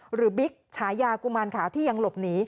บิ๊กฉายากุมารขาวที่ยังหลบหนี